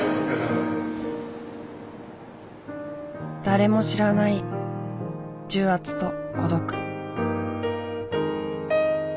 誰も知らない重圧と孤独。